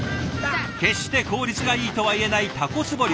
決して効率がいいとはいえないタコ壺漁。